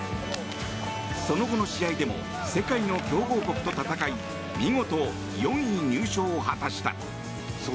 その後の試合でも世界の強豪国と戦い見事、４位入賞を果たした。